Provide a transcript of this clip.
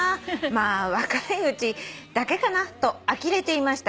まあ若いうちだけかな』とあきれていました。